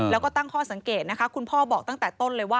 แล้วก็ตั้งข้อสังเกตนะคะคุณพ่อบอกตั้งแต่ต้นเลยว่า